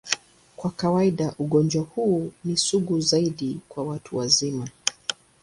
Kwa kawaida, ugonjwa huu ni sugu zaidi kwa watu wazima.